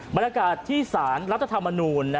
บรรยากาศที่สารรัฐธรรมนูล